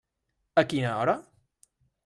A quina hora?